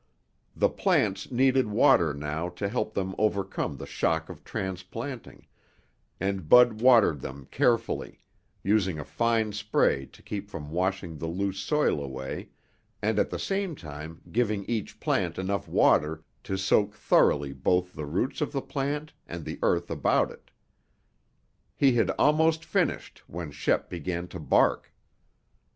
The plants needed water now to help them overcome the shock of transplanting, and Bud watered them carefully, using a fine spray to keep from washing the loose soil away and at the same time giving each plant enough water to soak thoroughly both the roots of the plant and the earth about it. He had almost finished when Shep began to bark.